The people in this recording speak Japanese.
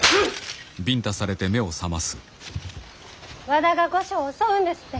和田が御所を襲うんですって。